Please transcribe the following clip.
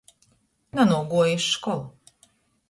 Nanūguoju iz školu.